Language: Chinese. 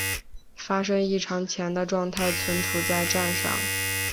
发生异常前的状态存储在栈上。